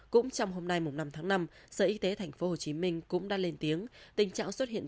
cũng trong hôm nay năm tháng năm sở y tế tp hcm cũng đã lên tiếng tình trạng xuất hiện